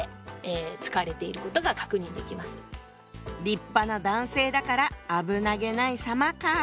「立派な男性」だから「危なげないさま」か。